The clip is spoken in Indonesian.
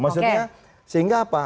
maksudnya sehingga apa